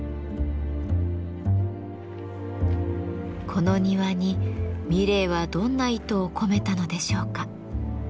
この庭に三玲はどんな意図を込めたのでしょうか？